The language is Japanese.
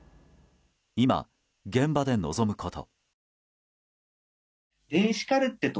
今、現場で望むこと。